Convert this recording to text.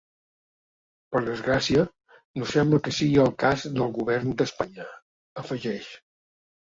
Per desgràcia, no sembla que sigui el cas del govern d’Espanya, afegeix.